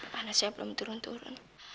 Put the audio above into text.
panas ya belum turun turun